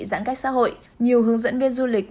giãn cách xã hội nhiều hướng dẫn viên du lịch